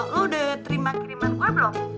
lo udah terima kiriman gue belum